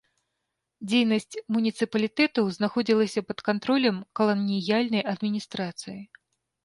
Дзейнасць муніцыпалітэтаў знаходзілася пад кантролем каланіяльнай адміністрацыі.